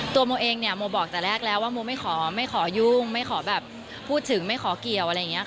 โมเองเนี่ยโมบอกแต่แรกแล้วว่าโมไม่ขอไม่ขอยุ่งไม่ขอแบบพูดถึงไม่ขอเกี่ยวอะไรอย่างนี้ค่ะ